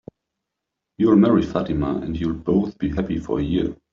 You'll marry Fatima, and you'll both be happy for a year.